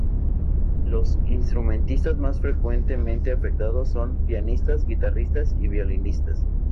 Los instrumentistas más frecuentemente afectados son pianistas, guitarristas y violinistas.